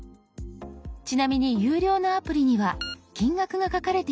ちなみに有料のアプリには金額が書かれています。